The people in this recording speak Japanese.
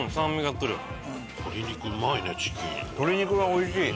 鶏肉がおいしい。